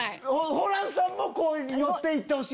ホランさんも寄って行ってほしい。